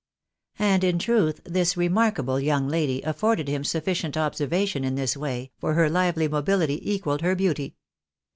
And, in truth, this remarkable young lady afforded him sufficient observation in this way, for her lively mobility equalled her beauty.